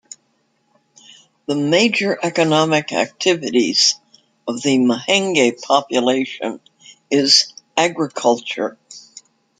The major economic activities of the Mahenge population is agriculture.